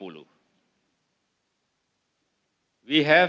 untuk mempertemukan perbedaan